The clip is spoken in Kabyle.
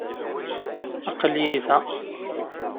Aql-iyi da.